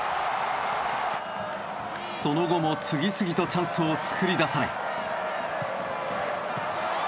その後も次々とチャンスを作り出され。